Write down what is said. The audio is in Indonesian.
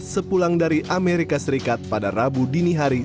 sepulang dari amerika serikat pada rabu dini hari